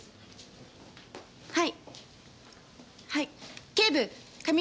はい！